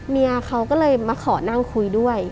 เมียเขาก็เลยมาขอนั่งคุยด้วย